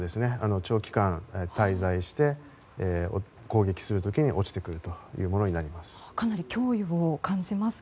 長期間、滞在して攻撃する時に落ちてくるというものになります。